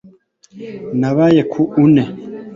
Nabaye ku une